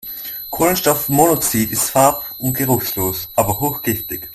Kohlenstoffmonoxid ist farb- und geruchlos, aber hochgiftig.